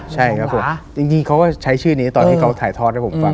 ใช่คือเขาก็ใช้ชื่อนี้ตอนที่เขาถ่ายทอด